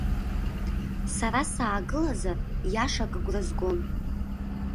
Сара саагылазар иашак агәразгон.